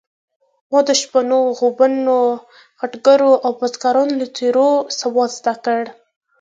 ما د شپنو، غوبنو، خټګرو او بزګرو له څېرو سواد زده کړ.